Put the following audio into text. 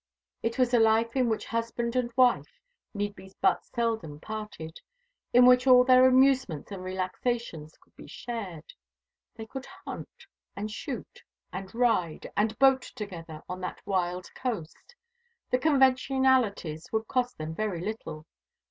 It was a life in which husband and wife need be but seldom parted, in which all their amusements and relaxations could be shared. They could hunt, and shoot, and ride, and boat together on that wild coast. The conventionalities would cost them very little.